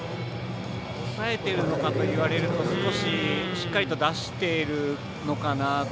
抑えてるのかと言われるとしっかり出しているのかなと。